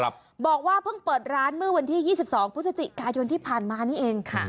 บอกว่าเพิ่งเปิดร้านเมื่อวันที่๒๒พฤศจิกายนที่ผ่านมานี่เองค่ะ